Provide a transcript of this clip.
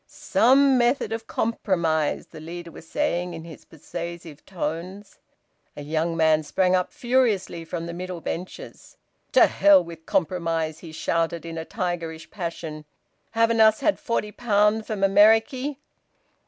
"Some method of compromise," the leader was saying in his persuasive tones. A young man sprang up furiously from the middle benches. "To hell wi' compromise!" he shouted in a tigerish passion. "Haven't us had forty pound from Ameriky?"